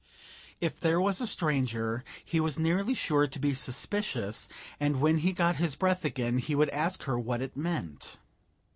If there was a stranger he was nearly sure to be suspicious, and when he got his breath again he would ask her what it meant.